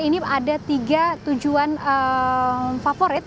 ini ada tiga tujuan favorit